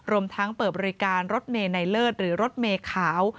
รวมทั้งเปิดบริการรถเมย์ในเลิศหรือรถเมย์ขาว